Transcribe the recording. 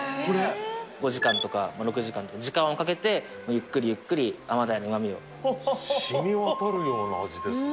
５時間とか６時間とか時間をかけてゆっくりゆっくり甘鯛の旨味を染み渡るような味ですね